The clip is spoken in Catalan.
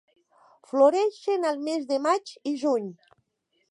Floreixen al mes de maig i juny.